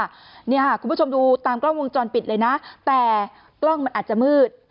เนี่ยค่ะคุณผู้ชมดูตามกล้องวงจรปิดเลยนะแต่กล้องมันอาจจะมืด